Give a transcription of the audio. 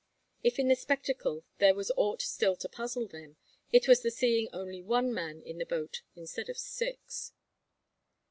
If in the spectacle there was aught still to puzzle them, it was the seeing only one man in the boat instead of six.